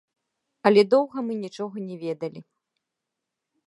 Але доўга мы нічога не ведалі.